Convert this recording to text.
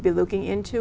cho các bạn